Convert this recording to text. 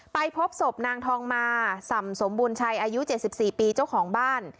พบศพนางทองมาส่ำสมบูรณชัยอายุ๗๔ปีเจ้าของบ้าน